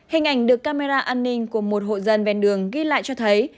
hình ảnh được camera an ninh của một hộ dân ven đường ghi lại cho thấy